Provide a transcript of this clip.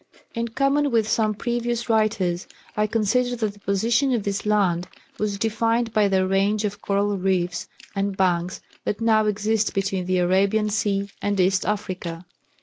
In common with some previous writers, I consider that the position of this land was defined by the range of coral reefs and banks that now exist between the Arabian sea and East Africa.